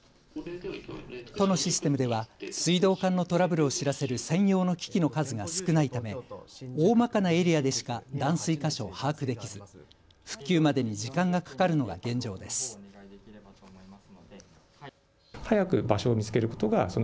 都のシステムでは水道管のトラブルを知らせる専用の機器の数が少ないため大まかなエリアでしか断水箇所を把握できず復旧までに時間がかかるのが現状です。